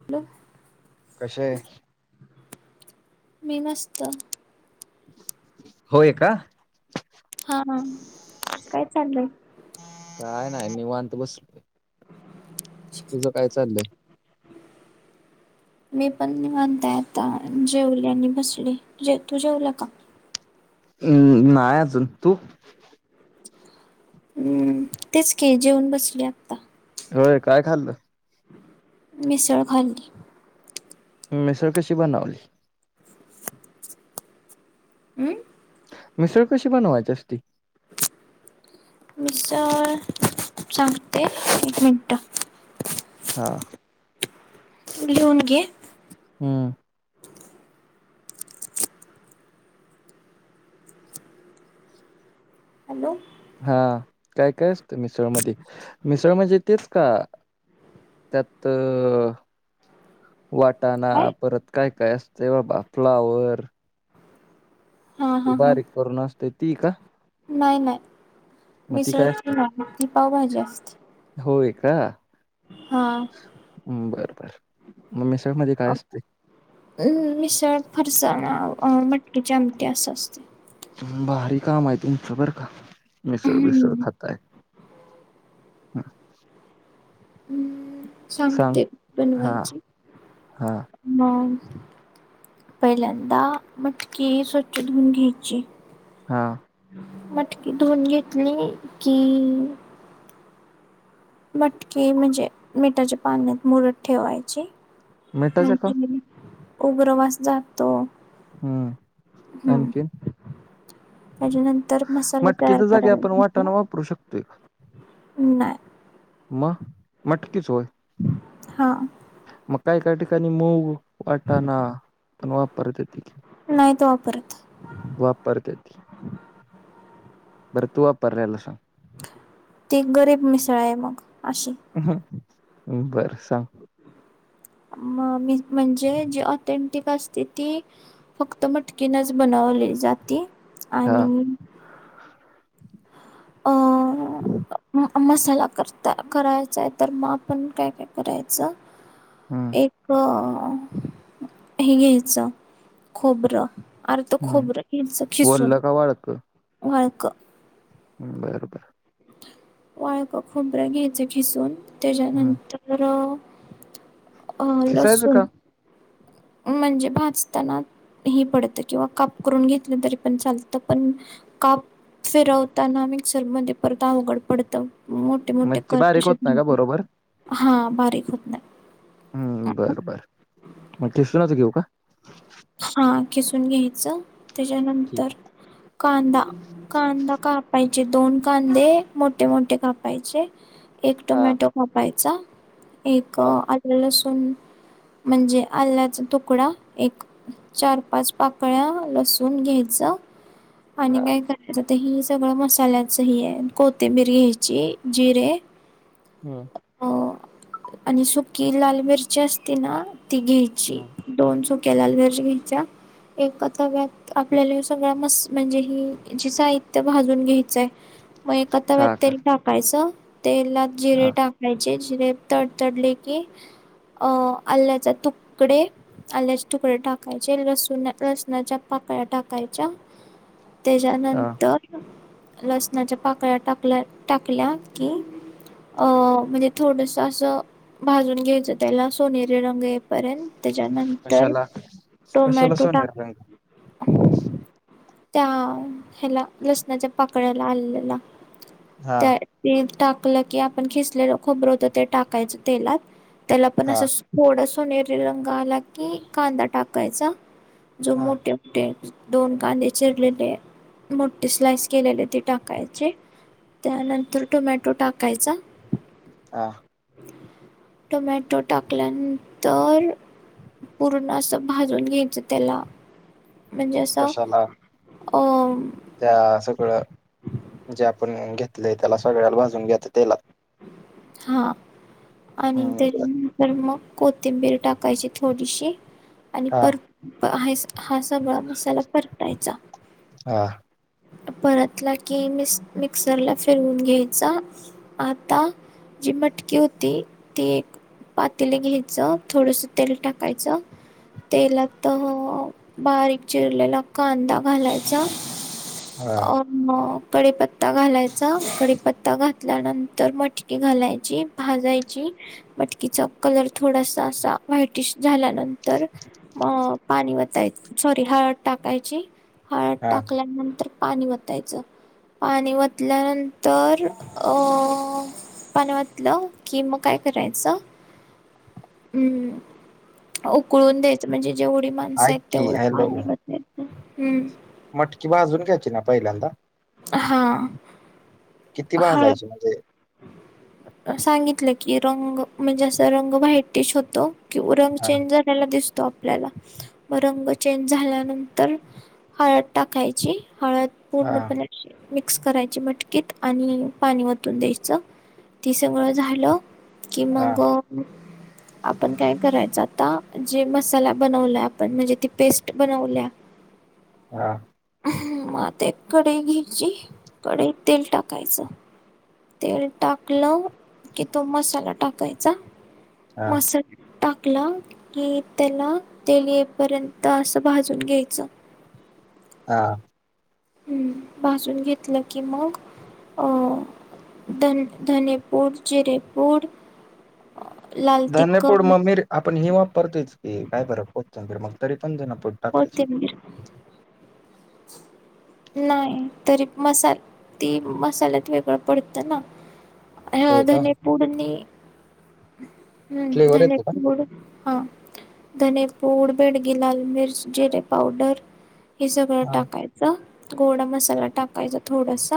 Hello. कशा हाय? मी मस्त. होय का! हा. काय चाललंय? काय नाय निवांत बसलोय. तुझं काय चाललंय? मी पण निवांत आहे. आता जेवले आणि बसले. जे तू जेवला का? हम्म. नाय अजून तू? हम्म, तेच की जेवून बसले आता. होय. काय खाल्लं? मिसळ खाल्ली. मिसळ कशी बनावली? हम्म. मिसळ कशी बनवायची असती? मिसळ सांगते. एक मिनटं हा. लिहून घे. हम्म. हॅलो. हा काय काय असत मिसळ मध्ये मिसळ म्हणजे तेच का. त्यात अं वाटाणा, काय परत काय काय असतंय बाबा फ्लावर. हा हा हा बारीक करून असतय ती का. नाही नाही मग मिसळ काय ती असतं? नाही ती पावभाजी असते. होय का! हां. बर बर मग मिसळ मध्ये काय असते. म मिसळ फरसाणा मटकीच्या आमटी असं असते. भारी काम आहे. तुमचं बरं का मिसळ बीसळ हम्म खाताय. हम्म सांग सांगते हां, बनवायची हां, म पहिल्यांदा मटकी स्वच्छ धुऊन घ्यायची. हा. मटकी धुऊन घेतली कि मटकी म्हणजे मिठाच्या पाण्यात मुरत ठेवायची मिठाच्या का? म्हणजे उग्र वास जातो हम्म हम्म. आणखीन त्याच्यानंतर मसाला तयार मटकीच्या करा जागी आपण वटाणा वापरू शकतोय का? नाही म मटकीच होय हा मग काय काय ठिकाणी मूग, वाटाना पण वापरत्याती की. नाहीत वापरत वापरत्याती बरं तू वापरल्याल सांग ती गरीब मिसळ आहे मग अशी बरं सांग म म्हणजे जी ऑथेंटिक असते ती फक्त मटकीनच बनवली जाते हां. आणि अं मसाला करता करायचाय तर मग पण काय काय करायचं? हं, एक हे घ्यायचं खोबरं अर्थ हं. खोबर घ्यायचं खिसून वल्लं का वाळकं? वाळकं हम्म बरं बरं वाळक खोबरं घ्यायचं खिसून हं. त्याच्यानंतर अ खिसायचं लसुून का? म्हणजे भाजताना ह पडतं किंवा काप करून घेतलं तरी पण चालतं पण काप फिरवताना मिक्सर मध्ये परत अवघड पडतं. मोठे मोठे म्हणजे ते कत बारीक होत तसेचं नाही का राहतात बरोबर? हा बारीक होत नाहीत हम्म बर बर मग खिसुनच घेऊ का? हा खिसून घ्यायचं ठीक त्याच्यानंतर आहे. कांदा कांदा कापायचे दोन कांदे मोठे मोठे कापायचे एक हां, टोमॅटो कापायचा एक हां, लसूण म्हणजे आल्याचा तुकडा एक चार-पाच पाकळ्या लसूण घ्यायच आणि हां. काय आ ते ह सगळं मसाल्याच ह आहे कोथिंबीर घ्यायची जिरे हा अ आणि सुकी लाल मिरची असते ना ती घ्यायची हं. दोन सुक्या लाल मिरच्या घ्यायच्या एका तव्यात आपल्याला हे सगळं मस म्हणजे हे जे साहित्य भाजून घ्यायचंय मग एका तव्यात हां का? तेल टाकायचं तेलात जिरे हां, टाक कायचे जिरे तडतडले की अ आल्ल्याचे तुकडे आल्ल्याचे तुकडे टाकायचे लसूण लसणाच्या पाकळ्या टाकायच्या हां. त्याच्यानंतर लसणाच्या पाकळ्या टाकल्या टाकल्या की अ म्हणजे थोडस असं भाजून घ्यायचं त्याला सोनेरी रंग येई पर्यंत त्याच्यानंत कशाला कशाला सोनरी रंग त्या ह्याला लसणाच्या पाकळ्याला आल्ल्याला हा त्या ते टाकलं की आपण खिसलेलं खोबरं होत ते टाकायचं तेलात त्याला पण हा असं थोडा सोनेरी रंग आला कि कांदा टाकायचा जो मोठ्या मोठे दोन कांदे चिरलेले मोठे स्लाइस केलेले ते टाकायचे त्यानंतर टोमॅटो टाकायचा हा टोमॅटो टाकल्यानंतर पूर्ण असं भाजून घ्यायचं त्याला म्हणजे असं कशाला अ त्या सगळं जे आपण घेतलंय त्याला सगळ्याला भाजून घ्यायच तेलात हा आणि त्याच्या नंतर मग कोथिंबीर टाकायची थोडीशी आणि हा पर आहे हा सगळा मसाला परतायचा हा परतला की मिक्सर ला फिरवून घ्यायचा आता जी मटकी होती ती एक पातेल घ्यायचं थोडस तेल टाकायचं तेलात बारीक चिरलेला कांदा घालायचा हा अ म कडीपत्ता घालायचा कडीपत्ता घातल्यानंतर मटकी घालायची भाजायची मटकीचा कलर थोडासा असा व्हाईटिश झाल्यानंतर अ पाणी वताय सॉरी हळद टाकायची हळद हा टाकल्यानंतर पाणी वतायचं पाणी वतल्यानंतर अ पाणी ओतलं की मग काय करायचं हम्म उकळून द्यायचं म्हणजे जेवढी माणसं ऐक आहेत की तेवढं हॅलो पाणी हम्म मटकी भाजून घ्यायची ना पहिल्यांदा हा किती हळ भाजायची म्हणजे सांगितलं की रंग म्हणजे असं रंग व्हाईटिश होतो किं रंग हा चेंज झालेला दिसतो आपल्याला मग रंग चेंज झाल्यानंतर हळद टाकायची हळद हा पूर्णपणे मिक्स करायची मटकीत आणि पाणी वतून द्यायची च ते सगळं झालं कि हा मग आपण काय करायचं आता जे मसाला बनवला आपण म्हणजे ती पेस्ट बनवल्या हा म ते कढई घ्यायची कढई त तेल टाकायचं तेल टाकलं की तो मसाला टाकायचा हा मसाला टाकला की त्याला तेल येपर्यंत असं भाजून घ्यायचं. हां. हम्म भाजून घेतलं की मग अ धन धनेपूड, जिरेपूड लाल धनेपूड तिखट, म मीर आपण ही वापरतोयच की काय बर कोथिंबीर मग तरी पण धनेपुड टाकायची? कोथिंबीर नाही. तरी मसाल ती मसाल्यात वेगळं पडत ना हम्म होय का धने फोडणी, हम्म फ्लेवर येतो का धनेपुड हा. धने पूड, बेडगी लाल मिर्च, जिरे पावडर हे सगळ हा टाकायचं, गोडा मसाला टाकायचा थोडस,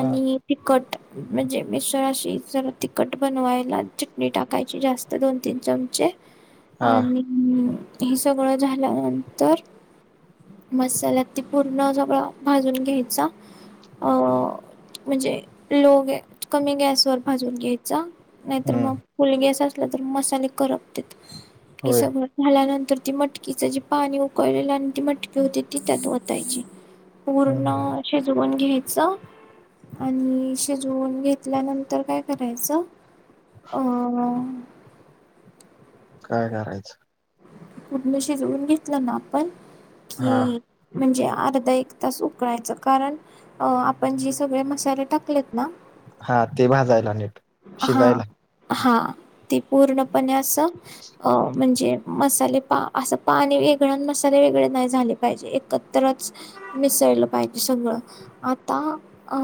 हा तिखट म्हणजे मिसळ अशी जरा तिखट बनवायला चटणी टाकायची जास्त दोन तीन चमचे. [inaudible] आणि हे सगळं झाल्यानंतर मसाल्यात त पूर्ण सगळं भाजून घ्यायचा. अ म्हणजे लो गॅ कमी गॅस वर भाजून घ्यायचा. नाहीतर हम्म मग फुलगॅस असला तर मसाले करपतेेत, हे होय सगळं झाल्यानंतर ती मटकीच जे पाणी उकळलेलं आणि ती मटकी होती ती त्यात वतायची. पूर्ण हम्म शिजवून घ्यायचं आणि शिजवून घेतल्यानंतर काय करायचं? अं काय करायचं? पूर्ण शिजवून घेतलं ना आपण हा कि म्हणजे अर्धा एक तास उकळायचं कारण अ आपण जी सगळे मसाले टाकलेत ना हा ते भाजायला निट. हा हा ती पूर्णपणे असं अ म्हणजे मसाले पा असं पाणी वेगळं अन मसाले वेगळे नाही झाले पाहिजे एकत्रच मिसळलं पाहिजे सगळं. आता अ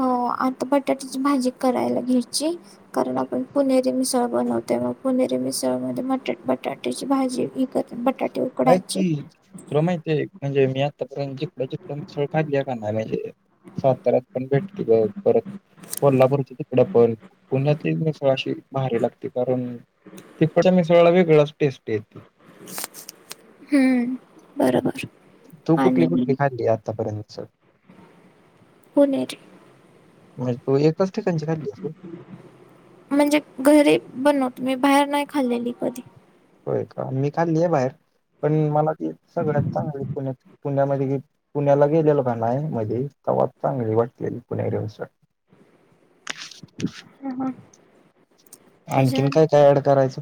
आता बटाट्याची भाजी करायला घ्यायची. कारण आपण पुणेरी मिसळ बनवतोय मग पुणेरी मिसळमध्ये मटा बटाट्याची भाजी इकत बटाटे उ आय क्की तुला माहितीय म्हणजे मी आतापर्यंत जितक जितक मिसळ खाल्लीय का नाही म्हणजे साताऱ्यात पण भेटती बग, परत कोल्हापुर च तिकड पण पुण्यातलीच मिसळ अशी भारी लागते कारण तिप्पट मिसळाला वेगळाच टेस्ट येते. हम्म बरोबर. तू कुठली आणि कुठली खाल्ली आतापर्यंत मिसळ? पुणेरी. म्हणजे तू एकाच ठिकाणची खाल्लीस होय? म्हणजे घरी बनवत मी बाहेर नाही खाल्लेली कधी. होय का मी खाल्ली आहे बाहेर, पण मला ती सगळ्यात चांगली पुण्यातली पुण्यामध्ये गेल पुण्याला गेलेलो का नाही मधी तवाच चांगली वाटलेली पुणेरी मिसळ. हां हां. त्याच्या आणखीन काय काय ऍड करायचं?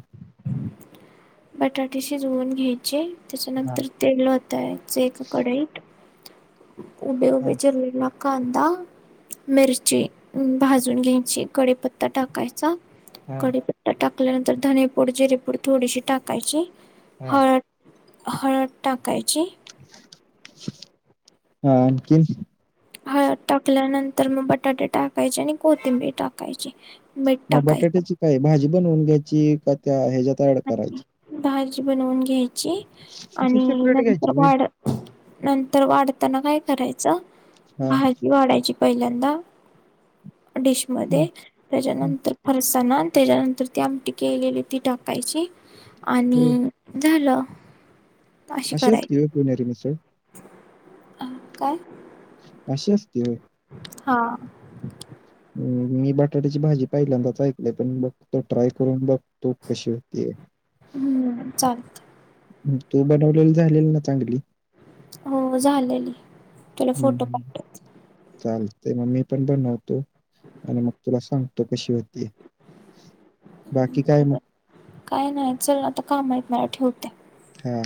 बटाटे शिजवून घ्यायचे त्याच्यानंतर तेल ओतायच एका कडईत उभे हा उभे चिरलेला कांदा, मिरची भाजून घ्यायची, कडीपत्ता टाकायचा हा कडीपत्ता टाकल्यानंतर धनेपूड, जिरेपूड थोडीशी टाकायची, हा. हळद हळद टाकायची. हां, आणखीन? हळद टाकल्यानंतर मग बटाटे टाकायचे आणि कोथिंबीर टाकायची. मीठ मग टाकायचं बटाट्याची काय भाजी बनवून घ्यायची का त्या हेज्यात ॲड भाजी करायची. भाजी बनवून घ्यायची. मग ती आणि सेपरेट नंतर घ्यायची होय. वाढ नंतर वाढताना काय करायचं? हा. भाजी वाढायची पहिल्यांदा डिश हं, मध्ये हं. त्याच्यानंतर फरसाणा त्याच्यानंतर ती आमठी केलेली ती टाकायची हो, आणि झालं अशी कराय असते होय पुणेरी मिसळ अ काय? अशी असते होय? हां मी बटाट्याची भाजी पाहिल्यांदाच ऐकलंय, पण बघ तो ट्राय करून बघ तूप कशी होतीय. हम्म, चालतं. तू बनविलेली झालेली ना चांगली? हो, झालेली. तुला फोटो हम्म, पाठवते चालतय मग मी पण बनवतो आणि मग तुला सांग कशी होती? बाकी काय मग? काय नाय, चल आता काम आहेत मला ठेवते. हां